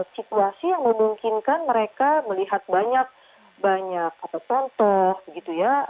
situasi yang memungkinkan mereka melihat banyak banyak atau contoh gitu ya